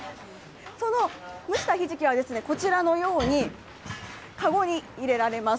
その蒸したひじきはこちらのように、籠に入れられます。